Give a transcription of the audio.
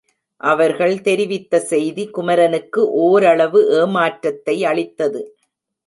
அவர்கள் தெரிவித்த செய்தி குமரனுக்கு ஓரளவு ஏமாற்றத்தை அளித்தது.